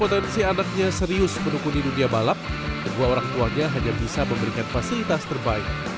mengetahui potensi anaknya serius menukuni dunia balap dua orang tuanya hanya bisa memberikan fasilitas terbaik